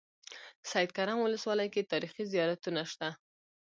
سیدکرم ولسوالۍ کې تاریخي زيارتونه شته.